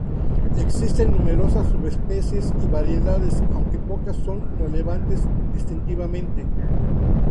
Existen numerosas subespecies y variedades, aunque pocas son relevantes distintivamente.